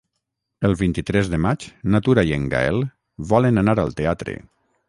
El vint-i-tres de maig na Tura i en Gaël volen anar al teatre.